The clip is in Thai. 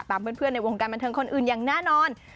เพื่อนในวงการบันเทิงคนอื่นอย่างแน่นอน